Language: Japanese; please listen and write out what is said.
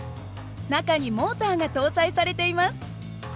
中にモーターが搭載されています。